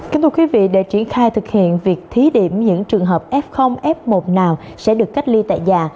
kính thưa quý vị để triển khai thực hiện việc thí điểm những trường hợp f f một nào sẽ được cách ly tại nhà